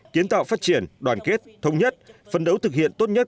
kiến tạo phát triển đoàn kết thống nhất phân đấu thực hiện tốt nhất